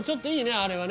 あれはね